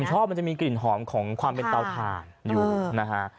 ชอบมันจะมีกลิ่นหอมของความเป็นเตาถ่านอยู่นะฮะ